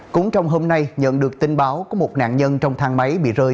cũng trong hôm nay nhận được tin báo của một nạn nhân trong thang máy bị rơi